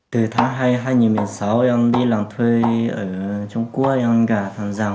từ tháng hai hai nghìn một mươi sáu em đi làm thuê ở trung quốc em gà thằng giàng